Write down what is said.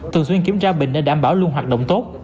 thường xuyên kiểm tra bình để đảm bảo luôn hoạt động tốt